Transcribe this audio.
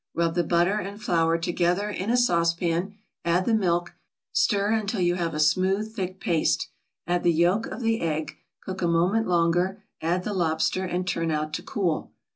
Rub the butter and flour together in a saucepan, add the milk, stir until you have a smooth, thick paste, add the yolk of the egg, cook a moment longer, add the lobster, and turn out to cool.